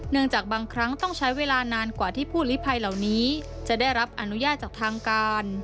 จากบางครั้งต้องใช้เวลานานกว่าที่ผู้ลิภัยเหล่านี้จะได้รับอนุญาตจากทางการ